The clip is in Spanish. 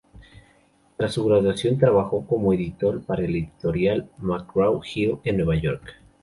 Tras su graduación, trabajó como editor para la editorial McGraw-Hill, en Nueva York.